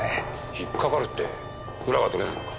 引っかかるって裏がとれないのか？